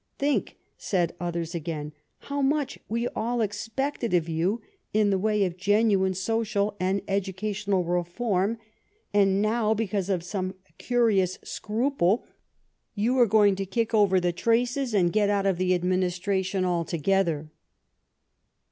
" Think," said others again, "how much we all expected of you in the way of genuine social and educational 92 THE STORY OF GLADSTONE'S LIFE reform, and now, because of some curious scruple, you are going to kick over the traces and get out of the administration altogether."